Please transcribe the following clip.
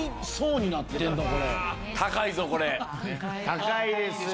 高いですよ。